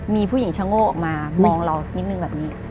มีผู้หญิงชะโง่ออกมามองเรานิดนึงแบบนี้